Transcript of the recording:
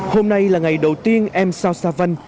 hôm nay là ngày đầu tiên em sao sa văn